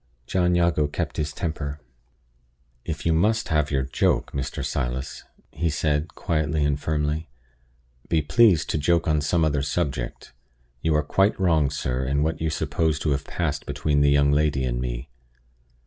'" John Jago kept his temper. "If you must have your joke, Mr. Silas," he said, quietly and firmly, "be pleased to joke on some other subject. You are quite wrong, sir, in what you suppose to have passed between the young lady and me."